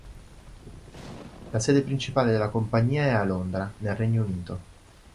La sede principale della compagnia è a Londra, nel Regno Unito.